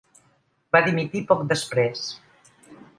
Va dimitir poc després.